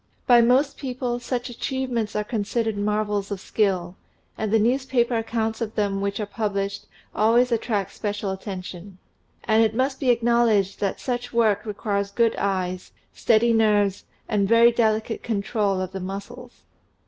By most people, such achievements are considered mar vels of skill, and the newspaper accounts of them which are published always attract special attention. And it must be acknowledged that such work requires good eyes, steady nerves, and very delicate control of the muscles.